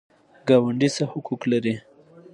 ګاونډي څه حقوق لري؟